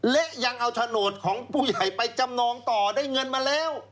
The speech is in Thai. และยังเอาโฉนดของผู้ใหญ่ไปจำนองต่อได้เงินมาแล้ว